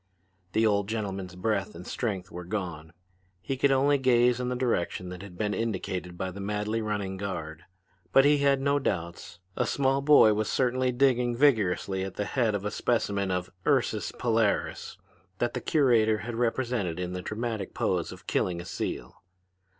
The old gentleman's breath and strength were gone. He could only gaze in the direction that had been indicated by the madly running guard; but he had no doubts. A small boy was certainly digging vigorously at the head of a specimen of Ursus Polaris that the curator had represented in the dramatic pose of killing a seal.